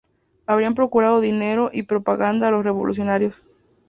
Habrían procurado dinero y propaganda a los revolucionarios.